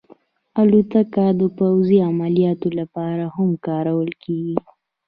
الوتکه د پوځي عملیاتو لپاره هم کارول کېږي.